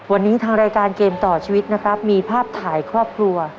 วันนี้ทางรายการเกมต่อชีวิตนะครับมีภาพถ่ายครอบครัว